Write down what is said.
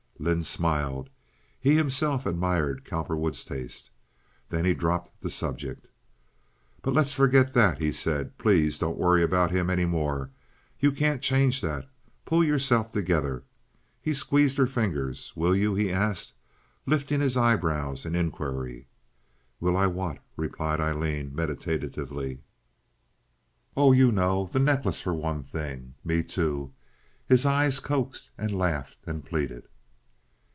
Lynde smiled. He himself admired Cowperwood's taste. Then he dropped the subject. "But let's forget that," he said. "Please don't worry about him any more. You can't change that. Pull yourself together." He squeezed her fingers. "Will you?" he asked, lifting his eyebrows in inquiry. "Will I what?" replied Aileen, meditatively. "Oh, you know. The necklace for one thing. Me, too." His eyes coaxed and laughed and pleaded.